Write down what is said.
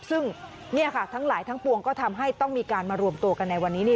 ซึ่งทั้งหลายทั้งปวงก็ทำให้ต้องมีการมารวมตัวกันในวันนี้